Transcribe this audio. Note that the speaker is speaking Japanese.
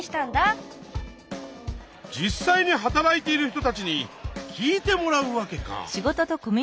実際に働いている人たちに聞いてもらうわけか！